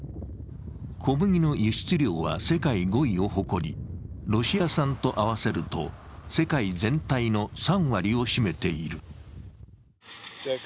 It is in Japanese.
小麦の輸出量は世界５位を誇り、ロシア産と合わせると世界全体の３割を占めている。